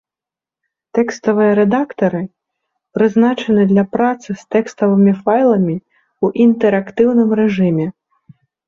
Тэкставыя рэдактары прызначаны для працы з тэкставымі файламі ў інтэрактыўным рэжыме.